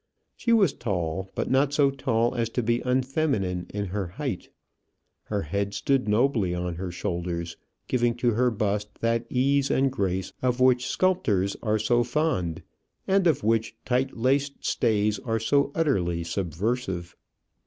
She was tall, but not so tall as to be unfeminine in her height. Her head stood nobly on her shoulders, giving to her bust that ease and grace of which sculptors are so fond, and of which tight laced stays are so utterly subversive.